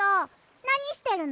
なにしてるの？